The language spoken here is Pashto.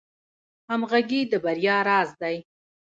همغږي د بریا راز دی